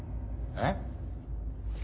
えっ？